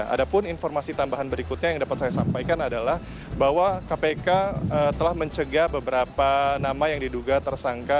ada pun informasi tambahan berikutnya yang dapat saya sampaikan adalah bahwa kpk telah mencegah beberapa nama yang diduga tersangka